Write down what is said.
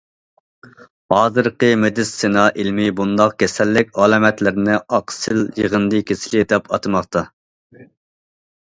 ھازىرقى مېدىتسىنا ئىلمى بۇنداق كېسەللىك ئالامەتلىرىنى« ئاقسىل يىغىندى كېسىلى» دەپ ئاتىماقتا.